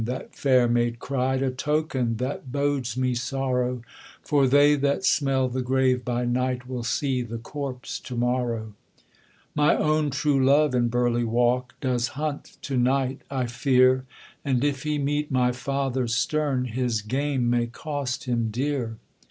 that fair maid cried, 'A token that bodes me sorrow; For they that smell the grave by night Will see the corpse to morrow. 'My own true love in Burley Walk Does hunt to night, I fear; And if he meet my father stern, His game may cost him dear.